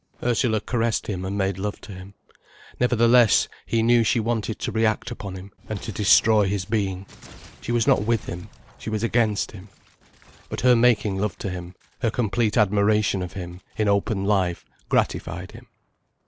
Ursula caressed him and made love to him. Nevertheless he knew she wanted to react upon him and to destroy his being. She was not with him, she was against him. But her making love to him, her complete admiration of him, in open life, gratified him.